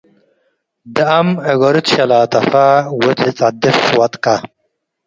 ደአም እገሩ ትሸላተፈ ወእት ለጸድፍ ወድቀ።